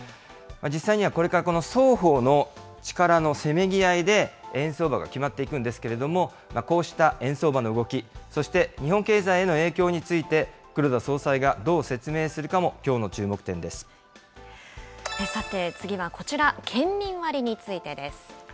実際には、これからこの双方の力のせめぎ合いで円相場が決まっていくんですけれども、こうした円相場の動き、そして日本経済への影響について黒田総裁がどう説明さて、次はこちら、県民割についてです。